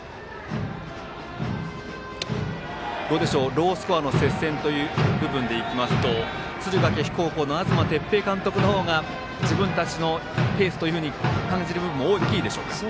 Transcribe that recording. ロースコアの接戦という面でいきますと敦賀気比高校の東哲平監督の方が自分たちのペースと感じる部分も大きいですか。